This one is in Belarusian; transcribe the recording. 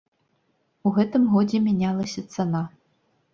У гэтым годзе мянялася цана.